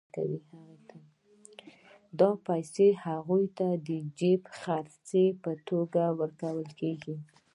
دا پیسې هغوی ته د جېب خرچۍ په توګه ورکول کېږي